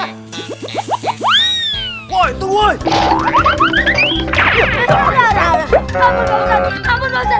ambil pak ustadz ambil pak ustadz